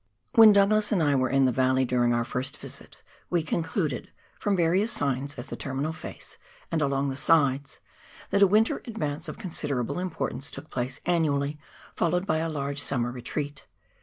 When Douglas and I were in the valley during our first visit, we concluded, from various signs at the terminal face and along the sides, that a winter advance of considerable import ance took place annually, followed by a large summer retreat.